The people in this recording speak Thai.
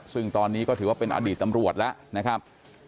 ซึ่งตอนนี้ก็ถือว่าเป็นอดีตตำรวจแล้วนะครับ